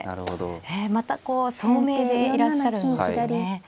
またこう聡明でいらっしゃるんですよね。